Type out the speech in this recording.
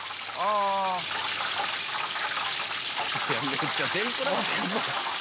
めっちゃ天ぷらや！